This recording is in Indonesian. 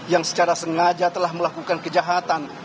yang secara sengaja telah melakukan kejahatan